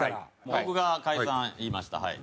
僕が解散言いましたはい。